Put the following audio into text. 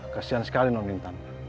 kesian sekali non intan